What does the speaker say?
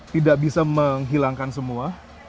tidak bisa menghilangkan semua